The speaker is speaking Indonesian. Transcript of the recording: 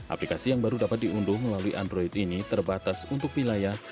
aplikasi yang baru dapat diunduh melalui android ini terbatas untuk wilayah